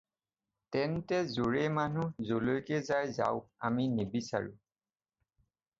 তেন্তে য'ৰে মানুহ য'লৈকে যায় যাওক, আমি নিবিচাৰোঁ।